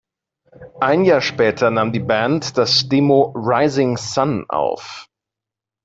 Ein Jahr später nahm die Band das Demo "Rising Son" auf.